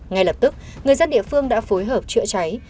ngay lập tức người dân địa phương đã phối hợp chữa cháy